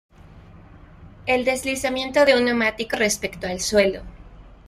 Es el deslizamiento de un neumático respecto al suelo.